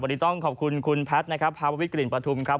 วันนี้ต้องขอบคุณคุณแพทย์นะครับภาววิทกลิ่นประทุมครับ